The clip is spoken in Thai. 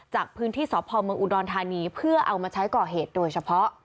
จากพื้นที่สพเมืองอุดรธานีเพื่อเอามาใช้ก่อเหตุโดยเฉพาะ